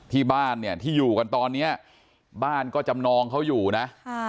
ที่บ้านเนี่ยที่อยู่กันตอนนี้บ้านก็จำนองเขาอยู่นะ